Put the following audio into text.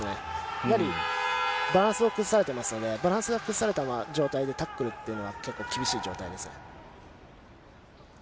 やはり、バランスを崩されてますので、バランスが崩されたままの状態でタックルというのは結構厳しい状態ですね。